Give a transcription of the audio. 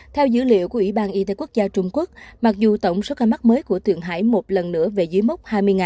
theo dữ liệu của ủy ban y tế quốc gia trung quốc mặc dù tổng số ca mắc mới của thượng hải một lần nữa về dưới mốc hai mươi